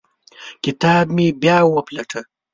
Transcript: کتاب مې بیا وپلټه.